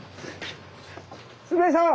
鶴瓶さん！